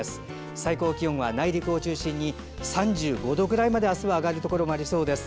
最高気温は内陸を中心に３５度くらいまで上がるところもありそうです。